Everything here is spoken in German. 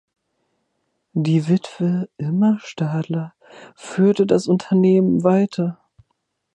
Die Witwe Irma Stadler führte das Unternehmen weiter.